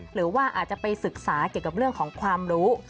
หรือว่าอาจจะไปศึกษาเกี่ยวกับเรื่องของความรู้